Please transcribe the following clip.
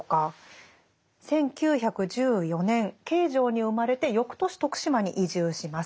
１９１４年京城に生まれて翌年徳島に移住します。